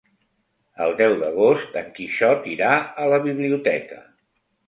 El deu d'agost en Quixot irà a la biblioteca.